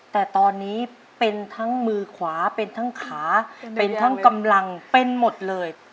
แต่ตอนนี้เป็นทั้งมือขวาเป็นทั้งขาเป็นทั้งกำลังเป็นหมดเลย